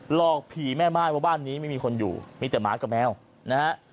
อกผีแม่ม่ายว่าบ้านนี้ไม่มีคนอยู่มีแต่หมากับแมวนะฮะ